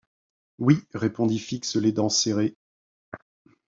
Oui, répondit Fix les dents serrées.